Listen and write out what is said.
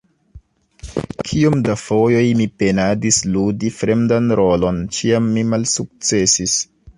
Kiom da fojoj mi penadis ludi fremdan rolon, ĉiam mi malsukcesis.